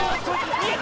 見えた！